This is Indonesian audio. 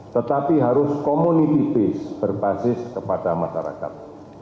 tetapi harus community base berbasis kepada masyarakat